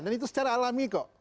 dan itu secara alami kok